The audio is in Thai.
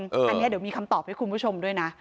อันนี้เดี๋ยวมีคำตอบให้คุณผู้ชมด้วยนะ